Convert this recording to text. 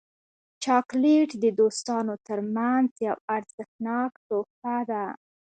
چاکلېټ د دوستانو ترمنځ یو ارزښتناک تحفه ده.